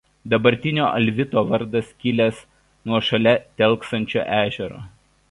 Dabartinio Alvito vardas kilęs nuo šalia telkšančio ežero.